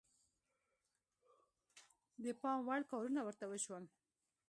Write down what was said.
د پام وړ کارونه ورته وشول.